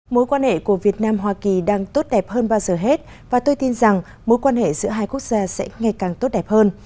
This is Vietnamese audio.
mối quan hệ của việt nam hoa kỳ đang tốt đẹp hơn bao giờ hết và tôi tin rằng mối quan hệ giữa hai quốc gia sẽ ngày càng tốt đẹp hơn